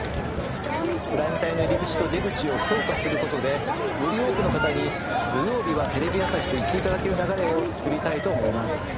プライム帯の入り口と出口を強化する事でより多くの方に「土曜日はテレビ朝日」と言って頂ける流れを作りたいと思います。